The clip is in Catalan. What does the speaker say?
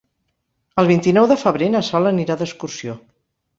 El vint-i-nou de febrer na Sol anirà d'excursió.